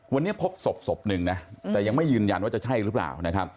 วันนี้พบศพศพหนึ่งนะแต่ยังไม่ยืนยันว่าจะใช่หรือเปล่านะครับ